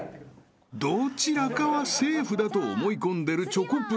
［どちらかはセーフだと思い込んでるチョコプラ］